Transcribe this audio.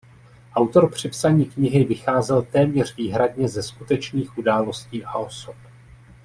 Autor při psaní knihy vycházel téměř výhradně ze skutečných událostí a osob.